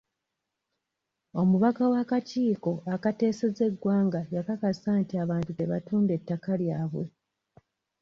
Omubaka w'akakiiko akateeseza eggwanga yakakasa nti abantu tebatunda ettaka lyabwe.